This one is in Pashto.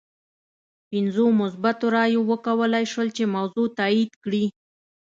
پنځو مثبتو رایو وکولای شول چې موضوع تایید کړي.